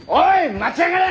待ちやがれ！